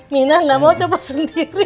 minah gak mau copot sendiri